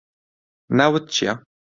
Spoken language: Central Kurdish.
ناوت چییە؟